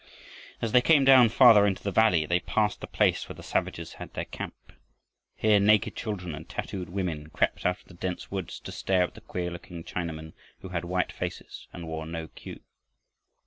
As they came down farther into the valley, they passed the place where the savages had their camp. Here naked children and tattooed women crept out of the dense woods to stare at the queer looking Chinamen who had white faces and wore no cue.